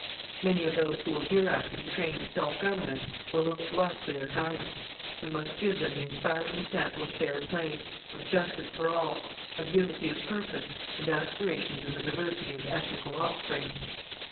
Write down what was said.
Many of those who will hereafter be trained to self government will look to us for their guidance. We must give them the inspiring example of fair play, of justice for all, of unity of purpose and aspirations in the diversity of ethnical offsprings.